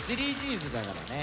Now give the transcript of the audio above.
ＳＤＧｓだからね。